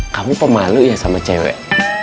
kamu pemalu ya sama cewek